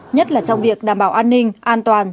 nhất là trong việc đảm bảo an ninh an toàn